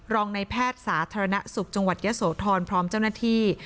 รองในแพทย์สาธารณสุขจังหวัดยะโสธรพร้อมเจ้าหน้าที่